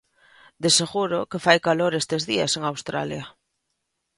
De seguro que fai calor estes días en Australia.